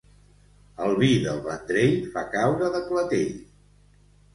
El vi del Vendrell fa caure de clatell.